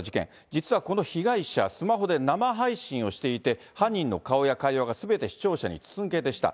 実はこの被害者、スマホで生配信をしていて、犯人の顔や会話がすべて視聴者に筒抜けでした。